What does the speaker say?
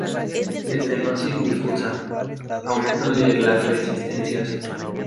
Estenosis difusa: aumento de las resistencias.